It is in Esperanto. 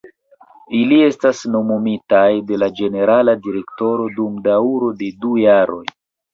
Ili estas nomumitaj de la ĝenerala direktoro dum daŭro de du jaroj.